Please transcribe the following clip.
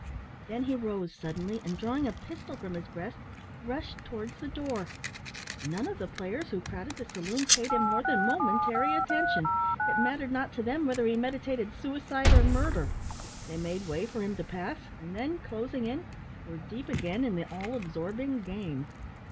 Then he rose suddenly, and drawing a pistol from his breast, rushed towards the door. None of the players who crowded the saloon paid him more than momentary attention. It mattered not to them whether he meditated suicide or murder. They made way for him to pass, and then, closing in, were deep again in the all absorbing game.